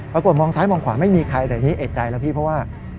มองซ้ายมองขวาไม่มีใครแต่อันนี้เอกใจแล้วพี่เพราะว่า